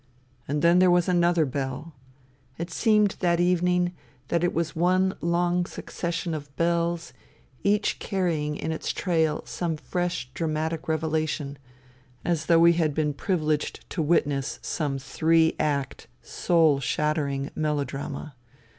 And then there was another bell. It seemed that evening that it was one long succession of bells 3ach carrying in its trail some fresh dramatic revela tion, as though we had been privileged to witness jome three act soul shattering melodrama.